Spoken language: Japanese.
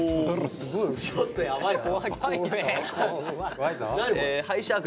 ちょっとやばいぞ。